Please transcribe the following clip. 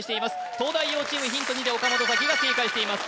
東大王チームヒント２で岡本沙紀が正解しています